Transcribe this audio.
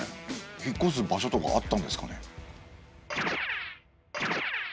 引っこす場所とかあったんですかね？